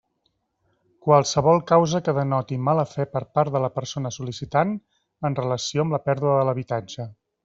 Qualsevol causa que denoti mala fe per part de la persona sol·licitant, en relació amb la pèrdua de l'habitatge.